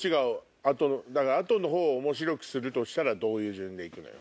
だから後のほうを面白くするとしたらどういう順で行くのよ。